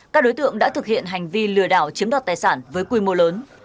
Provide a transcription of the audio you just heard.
các đối tượng đã thực hiện hành vi lừa đảo chiếm đoạt tài sản với quy mô lớn